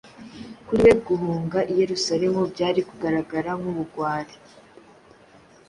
Kuri we guhunga i Yerusalemu byari kugaragara nk’ubugwari.